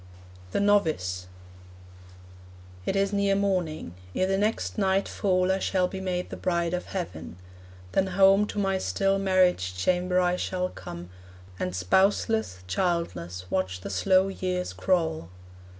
THE NOVICE It is near morning. Ere the next night fall I shall be made the bride of heaven. Then home To my still marriage chamber I shall come, And spouseless, childless, watch the slow years crawl.